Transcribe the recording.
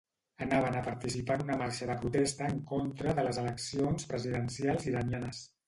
Anaven a participar en una marxa de protesta en contra de les eleccions presidencials iranianes.